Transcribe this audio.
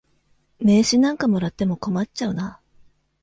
名刺なんかもらっても困っちゃうな。